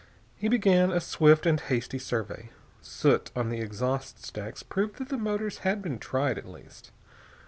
He began a swift and hasty survey. Soot on the exhaust stacks proved that the motors had been tried, at least.